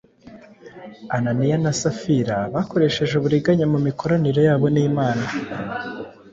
Ananiya na Safira bakoresheje uburiganya mu mikoranire yabo n’Imana.